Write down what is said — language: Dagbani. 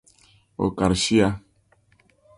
O kari shia.